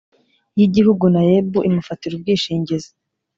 y’ igihugu naeb imufatira ubwishingizi